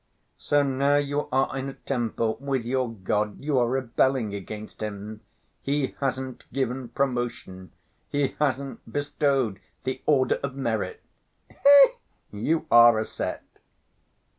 So now you are in a temper with your God, you are rebelling against Him; He hasn't given promotion, He hasn't bestowed the order of merit! Eh, you are a set!"